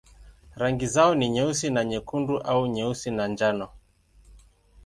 Rangi zao ni nyeusi na nyekundu au nyeusi na njano.